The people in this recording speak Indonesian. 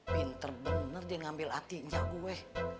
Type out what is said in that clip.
pinter benar dia ngambil hatinya gue